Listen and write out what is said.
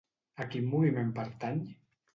A quin moviment pertany?